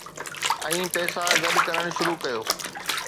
۽ پئسا گڏ ڪرڻ شروع ڪيو